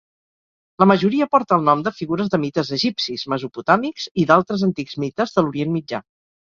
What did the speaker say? La majoria porta el nom de figures de mites egipcis, mesopotàmics i d'altres antics mites de l'Orient Mitjà.